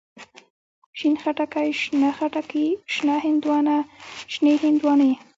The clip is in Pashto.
شين خټکی، شنه خټکي، شنه هندواڼه، شنې هندواڼی.